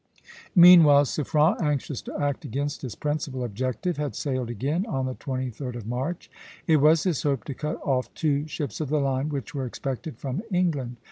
Meanwhile Suffren, anxious to act against his principal objective, had sailed again on the 23d of March. It was his hope to cut off two ships of the line which were expected from England.